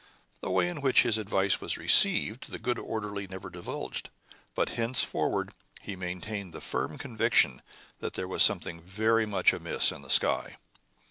The way in which his advance was received the good orderly never divulged, but henceforward he maintained the firm conviction that there was something very much amiss up in the sky.